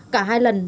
cả hai lần